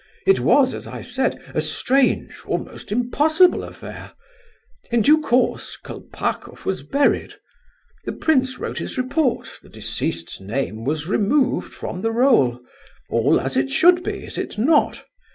It was, as I said, a strange, almost impossible, affair. In due course Kolpakoff was buried; the prince wrote his report, the deceased's name was removed from the roll. All as it should be, is it not?